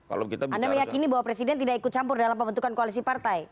anda meyakini bahwa presiden tidak ikut campur dalam pembentukan koalisi partai